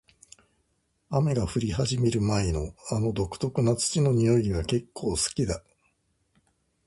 雨が降り始める前の、あの独特な土の匂いが結構好きだ。